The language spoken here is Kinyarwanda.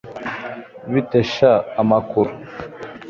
Bite sha amakuru